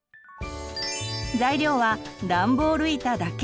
材料はダンボール板だけ！